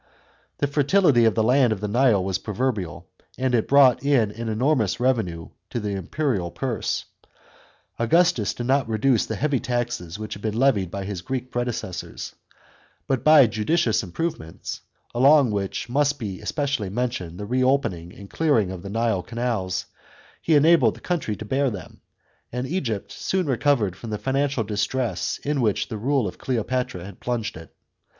The fertility of the land of the Nile was proverbial, and it brought in an enormous revenue to the imperial purse. Augustus did not reduce the heavy taxes which had been levied by his Greek predecessors, but by judicious improvements, among which must be especially mentioned the re opening and clearing of the Nile canals, he enabled the country to bear them, and Egypt soon recovered from the financial distress in which the rule of Cleopatra had plunged it.